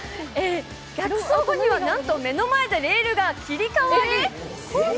逆走後にはなんと、目の前でレールが切り替わり、コース